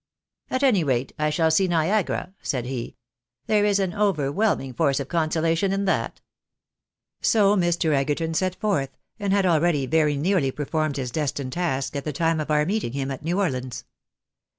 " At any rate, I shall see Niagara," said he, " there is an over whelming force of consolation in that." So Mr. Egerton set forth, and had already very nearly performed his destined task at the time of our meeting him at New Orleans.